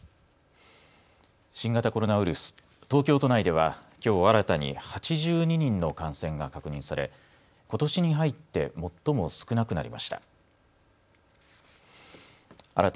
新型コロナウイルス、東京都内では、きょう新たに８２人の感染が確認されことしに入って最も少なくなりました。